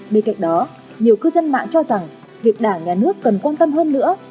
bên cạnh đó nhiều cư dân mạng cho rằng việc đảng nhà nước cần quan tâm hơn nữa